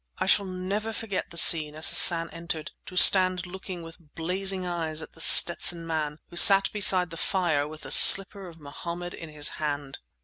I shall never forget the scene as Hassan entered, to stand looking with blazing eyes at The Stetson Man, who sat beside the fire with the slipper of Mohammed in his hand!